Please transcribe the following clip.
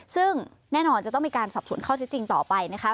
ซึ่งแน่นอนจะต้องมีการสอบสวนข้อเท็จจริงต่อไปนะคะ